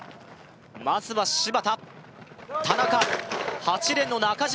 まずは芝田田中８レーンの中島